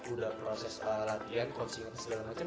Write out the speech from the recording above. udah proses latihan coaching dan segala macem